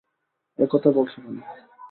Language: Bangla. এ কথা বলছ কেন?